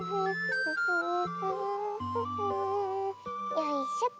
よいしょと。